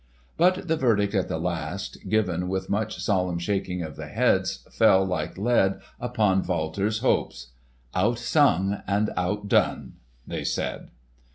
But the verdict at the last, given with much solemn shaking of the heads, fell like lead upon Walter's hopes. "Outsung and outdone!" they said.